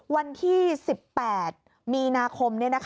วันที่๑๘มีนาคม